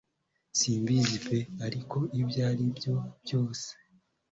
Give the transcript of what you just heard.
simbizi pe, ariko ibyaribyo byose